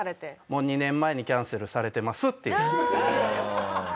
もう２年前にキャンセルされてますって。